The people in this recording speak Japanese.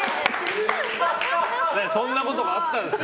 そんなことがあったんですか。